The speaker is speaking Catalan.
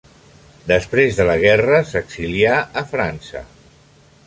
Després de la guerra s'exilià a França.